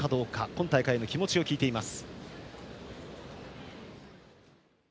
今大会の気持ちを聞いています。